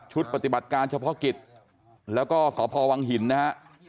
ปฏิบัติการเฉพาะกิจแล้วก็สพวังหินนะฮะ